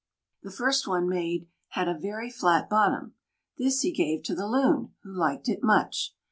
The first one made had a very flat bottom; this he gave to the Loon, who liked it much.